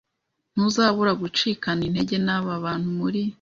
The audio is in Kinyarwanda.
Ntuzabura gucikana intege n aba bantu muri